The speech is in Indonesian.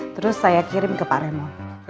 terus saya kirim ke pak raymond